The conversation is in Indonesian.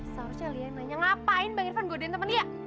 saur celia nanya ngapain bang irfan gue udah di temen dia